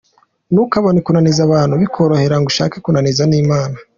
Ntukabone kunaniza abantu bikorohera ngo ushake no kunaniza Imana.